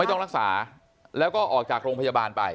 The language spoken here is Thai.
ต้องรักษาแล้วก็ออกจากโรงพยาบาลไป